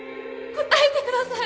答えてください！